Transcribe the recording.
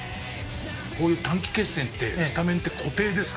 こういう短期決戦ってスタメンって固定ですか？